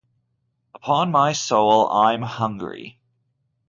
Upon my soul, I'm hungry.